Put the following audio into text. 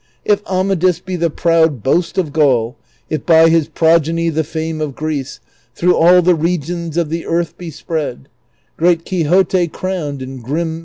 If Amadis be the proud boast of Gaul, If by his progeny the fame of Greece Through all the regions of the earth be spread, ' 111 tlie second and third